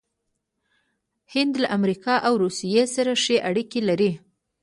هند له امریکا او روسیې سره ښې اړیکې لري.